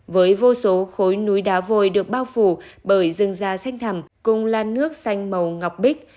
với vô số khối núi đá vôi được bao phủ bởi rừng da xanh thầm cùng lan nước xanh màu ngọc bích